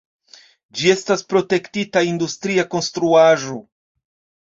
Ĝi estas protektita industria konstruaĵo.